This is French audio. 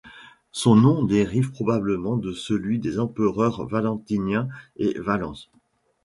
Son nom dérive probablement de celui des empereurs Valentinien et Valens.